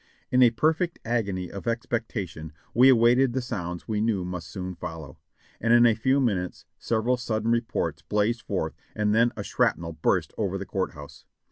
In a perfect agony of expectation we awaited the sounds we knew must soon follow, and in a few minutes several sudden re ports blazed forth and then a shrapnel bursted over the court house.